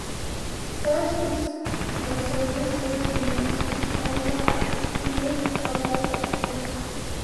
Southeast Missouri State University sponsor Lift For Life Academy.